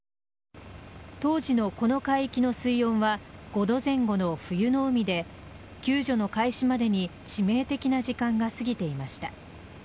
当時のこの海域の水温は５度前後の冬の海で救助の開始までに致命的な時間が過ぎていました。